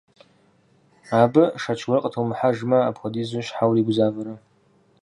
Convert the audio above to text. Абы шэч гуэр къытумыхьэжмэ, апхуэдизу щхьэ уригузавэрэ?